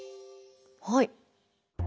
はい。